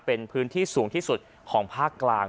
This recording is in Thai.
เป็นพื้นที่สูงที่สุดของภาคกลาง